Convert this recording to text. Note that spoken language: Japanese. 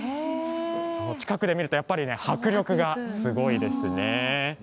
近くで見ると、やっぱり迫力がすごいですね。